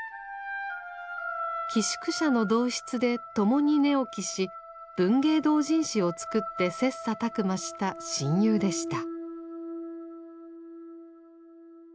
寄宿舎の同室で共に寝起きし文芸同人誌を作って切磋琢磨した親友でした。